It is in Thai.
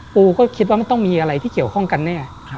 ปูก็คิดว่ามันต้องมีอะไรที่เกี่ยวข้องกันแน่